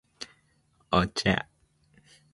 お茶